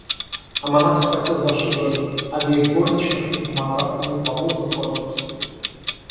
А монах схватил за шиворот обеих горничных и, помотав ими по воздуху, отпустил.